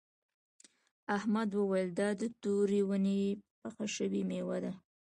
احمد وویل دا د تورې ونې پخه شوې میوه ده.